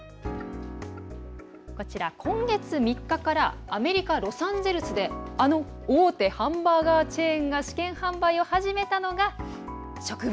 こちら、今月３日からアメリカ・ロサンゼルスであの大手ハンバーガーチェーンが試験販売を始めたのが植物